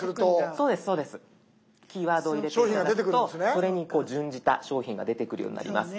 そうですキーワードを入れるとそれに準じた商品が出てくるようになります。